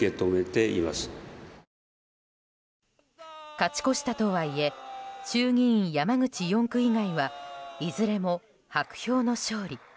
勝ち越したとはいえ衆議院山口４区以外はいずれも薄氷の勝利。